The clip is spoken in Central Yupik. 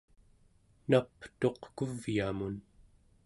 naptuq kuvyamun